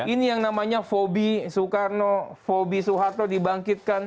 ini yang namanya fobi soekarno fobi soeharto dibangkitkan